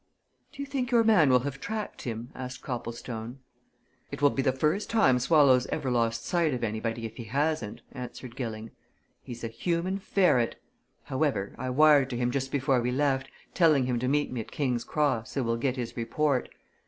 "Do you think your man will have tracked him?" asked Copplestone. "It will be the first time Swallow's ever lost sight of anybody if he hasn't," answered Gilling. "He's a human ferret! However, I wired to him just before we left, telling him to meet me at King's Cross, so we'll get his report.